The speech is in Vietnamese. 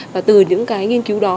và từ những cái nghiên cứu đó